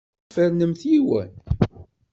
Ad tfernemt yiwen.